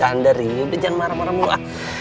aku bercanda ri yuk deh jangan marah marah mula